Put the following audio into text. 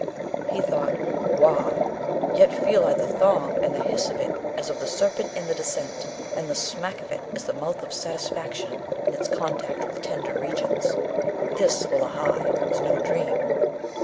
He thought, 'Wah! yet feel I the thong, and the hiss of it as of the serpent in the descent, and the smack of it as the mouth of satisfaction in its contact with tender regions. This, wullahy! was no dream.'